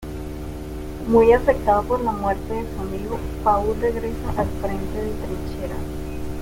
Muy afectado por la muerte de su amigo, Paul regresa al frente de trincheras.